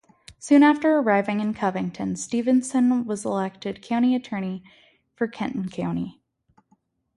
Soon after arriving in Covington, Stevenson was elected county attorney for Kenton County.